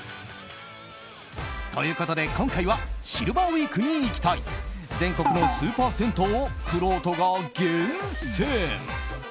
ということで今回はシルバーウィークに行きたい全国のスーパー銭湯をくろうとが厳選！